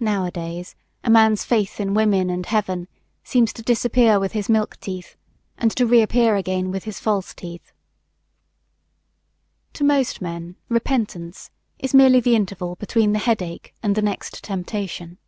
Nowadays, a man's faith in women and heaven seems to disappear with his milk teeth and to reappear again with his false teeth. To most men "repentance" is merely the interval between the headache and the next temptation.